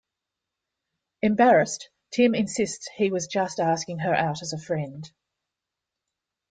Embarrassed, Tim insists he was just asking her out as a friend.